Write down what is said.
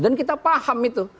dan kita paham itu